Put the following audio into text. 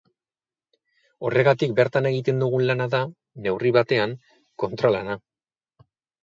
Horregatik bertan egiten dugun lana da, neurri batean, kontralana.